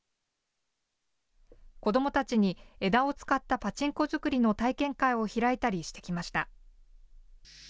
子どもたちに枝を使ったパチンコ作りの体験会を開いたりしてきました。